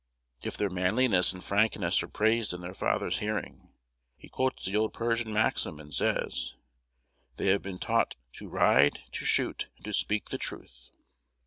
If their manliness and frankness are praised in their father's hearing, he quotes the old Persian maxim, and says, they have been taught "to ride, to shoot, and to speak the truth."